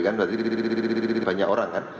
kan berarti banyak orang kan